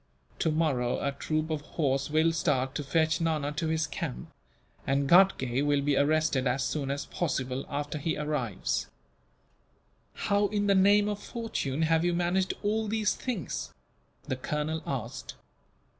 Tomorrow a troop of horse will start, to fetch Nana to his camp; and Ghatgay will be arrested as soon as possible, after he arrives." "How in the name of fortune have you managed all these things?" the colonel asked.